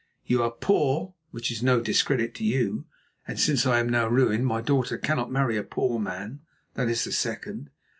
You are poor, which is no discredit to you, and since I am now ruined my daughter cannot marry a poor man; that is the second.